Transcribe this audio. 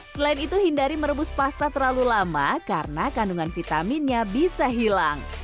selain itu hindari merebus pasta terlalu lama karena kandungan vitaminnya bisa hilang